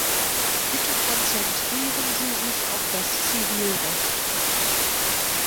Bitte konzentrieren Sie sich auf das Zivilrecht.